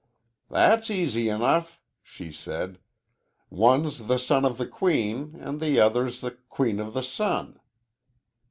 "That's easy enough," she said. "One's the son of the queen, and the other's a queen of the sun.